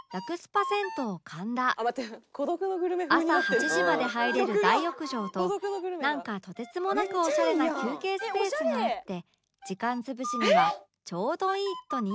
朝８時まで入れる大浴場となんかとてつもなくオシャレな休憩スペースがあって時間潰しにはちょうどいいと人気の場所